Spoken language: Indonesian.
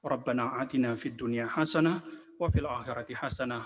rabbana a'tina fid dunya hasanah wa fil akhirati hasanah